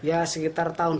ya sekitar tahun dua ribu mas